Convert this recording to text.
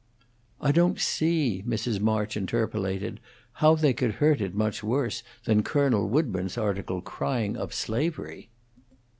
"I don't see," Mrs. March interpolated, "how they could hurt it much worse than Colonel Woodburn's article crying up slavery."